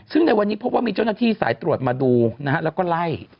ซึ่งในวันนี้พบว่ามีเจ้าหน้าที่สายตรวจมาดูนะฮะแล้วก็ไล่